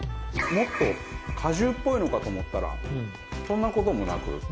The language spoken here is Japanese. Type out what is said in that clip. もっと果汁っぽいのかと思ったらそんな事もなく。